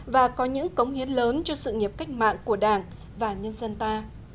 và có những cống hiến lớn cho sự nghiệp cách mạng của đảng và nhân dân ta